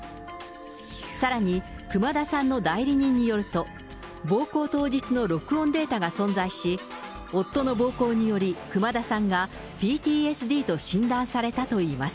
さらに、熊田さんの代理人によると、暴行当日の録音データが存在し、夫の暴行により、熊田さんがＰＴＳＤと診断されたといいます。